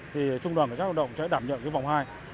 thì trung đoàn xác động sẽ đảm nhận vòng hai